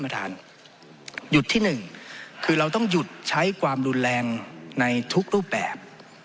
หยุดที่หนึ่งคือเราต้องหยุดใช้ความรุนแรงในทุกรูปแบบ